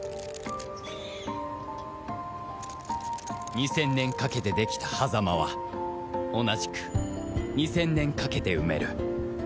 ２０００年かけてできた狭間は同じく２０００年かけて埋める